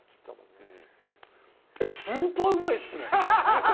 スーパーうまいっすね！